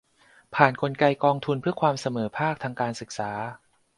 ผ่านกลไกกองทุนเพื่อความเสมอภาคทางการศึกษา